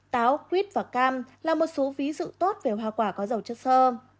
táo quýt và cam là một số ví dụ tốt về hoa quả có dầu chất sơ